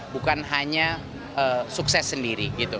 bukan hanya sukses sendiri